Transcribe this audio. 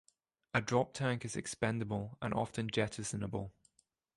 A drop tank is expendable and often jettisonable.